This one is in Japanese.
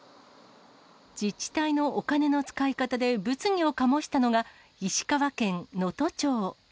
自治体のお金の使い方で、物議を醸したのが石川県能登町。